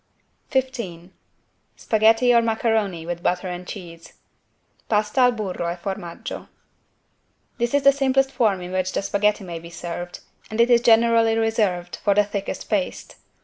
15 SPAGHETTI OR MACARONI WITH BUTTER AND CHEESE (Pasta al burro e formaggio) This is the simplest form in which the spaghetti may be served, and it is generally reserved for the thickest paste.